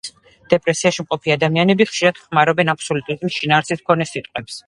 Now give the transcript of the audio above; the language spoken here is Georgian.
დეპრესიაში მყოფი ადამიანები ხშირად ხმარობენ აბსოლუტიზმის შინაარსის მქონე სიტყვებს, ფრაზებს და აზრებს.